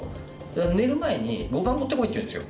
寝る前に碁盤持ってこいって言うんですよ。